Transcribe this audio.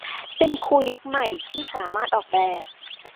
เป็นครูยุคใหม่ที่สามารถออกแบบ